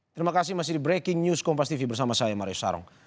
terima kasih masih di breaking news kompas tv bersama saya mare sarong